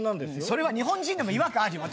それは日本人でも違和感あるよ。